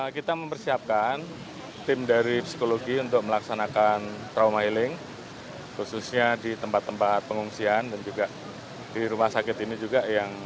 kita mempersiapkan tim dari psikologi untuk melaksanakan trauma healing khususnya di tempat tempat pengungsian dan juga di rumah sakit ini juga yang